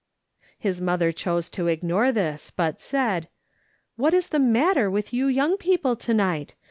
His mother chose to ignore this, but said :" Wliat is the matter with you young people to night